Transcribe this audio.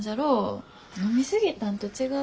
飲み過ぎたんと違う？